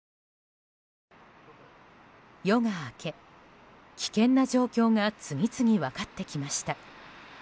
夜が明け、危険な状況が次々分かってきました。